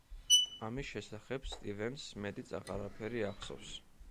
ამის შესახებ სტივენს მეტიც აღარაფერი ახსოვს.